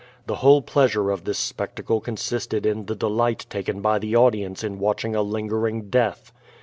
The whole pleasure of this spectacle con sisted in the delight taken by the audience in watching a lingering death.